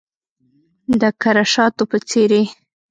د کره شاتو په څیرې